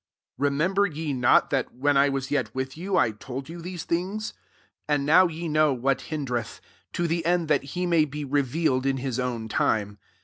5 Remember ye not, that, nrhwi I was yet with you, I iold you these things ? 6 And now ye know what hindereth ; to the end that he may be re vealed in his own time.